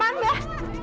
pak rt pak rt